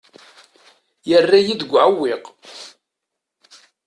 Yerra-yi deg uɛewwiq.